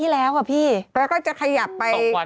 แล้วก็จะขยับไป